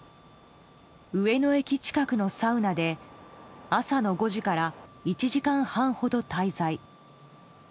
上野駅近くのサウナで朝の５時から１時間ほど滞在。